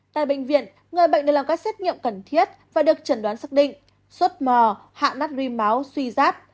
tại bệnh viện người bệnh được làm các xét nghiệm cần thiết và được chẩn đoán xác định xuất mò hạ nắt ri máu suy giáp